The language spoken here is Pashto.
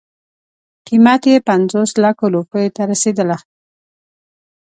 قیمت یې پنځوس لکو روپیو ته رسېدله.